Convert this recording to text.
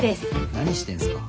何してんすか。